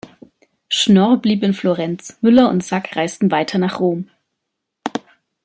Schnorr blieb in Florenz, Müller und Sack reisten weiter nach Rom.